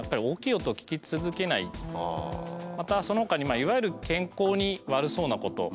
またそのほかにいわゆる健康に悪そうなこと。